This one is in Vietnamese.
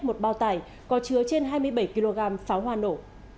một bao tải có chứa trên hai mươi bảy kg pháo hoa nổ